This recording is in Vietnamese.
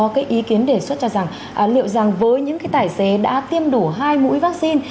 cái ý kiến đề xuất cho rằng liệu rằng với những cái tài xế đã tiêm đủ hai mũi vaccine